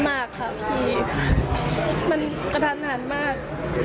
มากค่ะพี่มันกระทันหันมาก